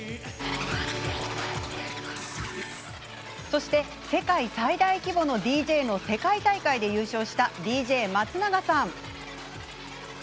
そして、世界最大規模のＤＪの世界大会で優勝したＤＪ松永さん。